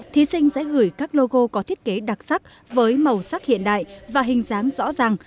thí sinh sẽ gửi các logo có thiết kế đặc sắc với màu sắc hiện đại và hình dáng rõ ràng